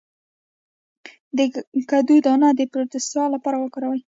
د کدو دانه د پروستات لپاره وکاروئ